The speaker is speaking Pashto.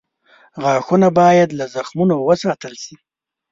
غاښونه باید له زخمونو وساتل شي.